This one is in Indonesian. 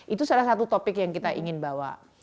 itu salah satu topik yang kita ingin bawa